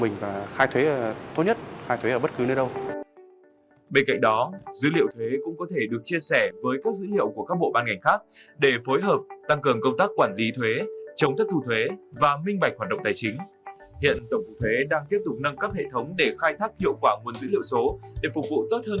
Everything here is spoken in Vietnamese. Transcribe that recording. bên cạnh đó dữ liệu thuế cũng có thể được chia sẻ với các dữ hiệu của các bộ bản thân